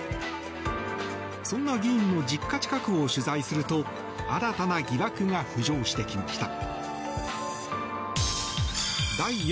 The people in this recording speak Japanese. そんな議員の実家近くを取材すると新たな疑惑が浮上してきました。